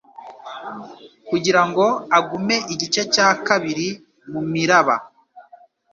kugirango agume igice cya kabiri mumiraba